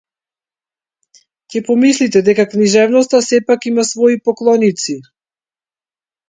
Ќе помислите дека книжевноста сепак има свои поклоници.